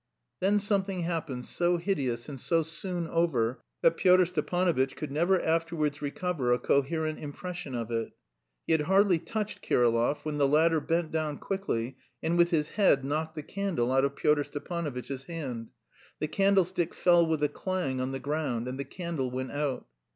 Then something happened so hideous and so soon over that Pyotr Stepanovitch could never afterwards recover a coherent impression of it. He had hardly touched Kirillov when the latter bent down quickly and with his head knocked the candle out of Pyotr Stepanovitch's hand; the candlestick fell with a clang on the ground and the candle went out.